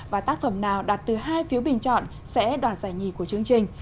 và tác phẩm nào đạt từ hai phiếu bình chọn sẽ đoạt giải nhì của chương trình